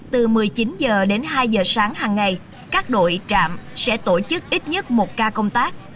từ một mươi chín h đến hai h sáng hằng ngày các đội trạm sẽ tổ chức ít nhất một ca công tác